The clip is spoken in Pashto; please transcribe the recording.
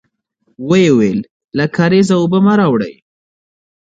ويې ويل: له کارېزه اوبه مه راوړی!